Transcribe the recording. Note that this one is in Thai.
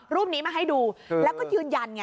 รูปนี้มาให้ดูแล้วก็ยืนยันไง